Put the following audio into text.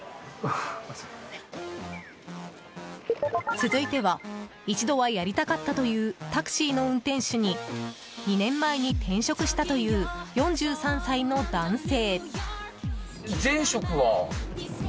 続いては一度はやりたかったというタクシーの運転手に、２年前に転職したという４３歳の男性。